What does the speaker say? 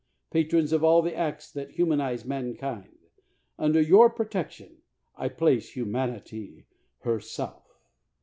Patrons of all the arts that humanize mankind, under your pro tection I place humanity herself